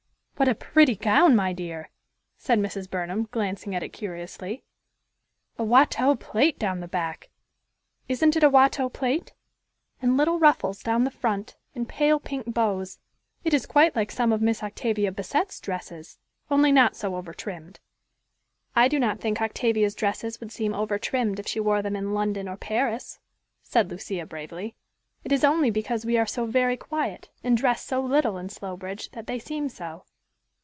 "What a pretty gown, my dear!" said Mrs. Burnham, glancing at it curiously. "A Watteau plait down the back isn't it a Watteau plait? and little ruffles down the front, and pale pink bows. It is quite like some of Miss Octavia Bassett's dresses, only not so over trimmed." "I do not think Octavia's dresses would seem over trimmed if she wore them in London or Paris," said Lucia bravely. "It is only because we are so very quiet, and dress so little in Slowbridge, that they seem so."